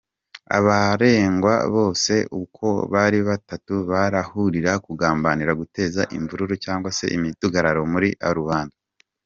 Abaregwa bose uko ari babatutu barahurira kugambirira guteza imvururu cyangwa se imidugararo muri rubanda.